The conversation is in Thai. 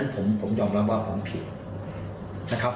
ผมผิดนะครับ